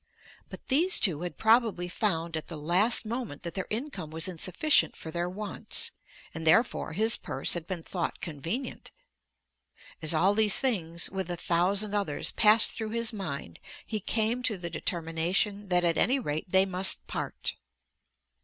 But these two had probably found at the last moment that their income was insufficient for their wants, and therefore his purse had been thought convenient. As all these things, with a thousand others, passed through his mind he came to the determination that at any rate they must part.